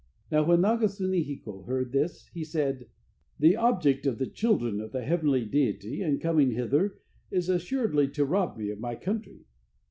Now when Naga sune hiko heard this, he said: "The object of the children of the heavenly deity in coming hither is assuredly to rob me of my country."